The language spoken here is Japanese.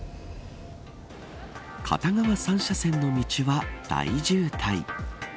片側３車線の道は大渋滞。